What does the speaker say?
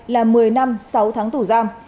là một mươi năm sáu tháng tù giam